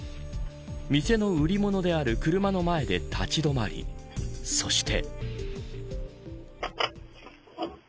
店の売り物である車の前で立ち止まりそして。